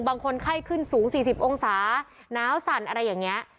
บางคนไข้ขึ้นสูง๔๐องศาหนาวสั่นอะไรอย่างนี้